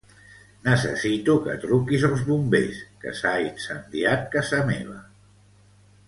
Necessito que truquis als bombers, que s'ha incendiat casa meva.